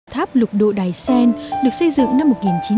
tháp lục độ đài xen được xây dựng năm một nghìn chín trăm chín mươi tám